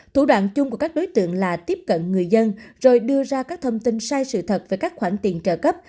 thủ đoạn chung của các đối tượng là tiếp cận người dân rồi đưa ra các thông tin sai sự thật về các khoản tiền trợ cấp